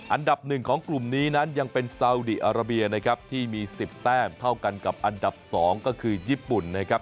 อันดับหนึ่งของกลุ่มนี้นั้นยังเป็นซาวดีอาราเบียนะครับที่มี๑๐แต้มเท่ากันกับอันดับ๒ก็คือญี่ปุ่นนะครับ